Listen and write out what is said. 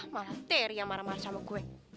malah terry yang marah marah sama gue